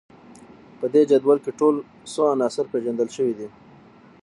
په دې جدول کې ټول څو عناصر پیژندل شوي دي